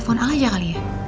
aku telepon al aja kali ya